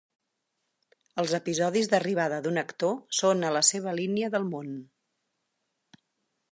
Els episodis d'arribada d'un actor són a la seva línia del món.